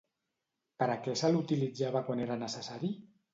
Per a què se l'utilitzava quan era necessari?